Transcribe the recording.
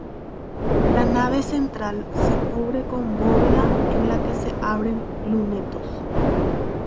La nave central se cubre con bóveda en la que se abren lunetos.